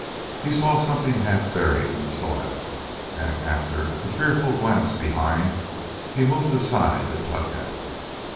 He saw something half buried in the soil and after a fearful glance behind he moved aside to tug at it.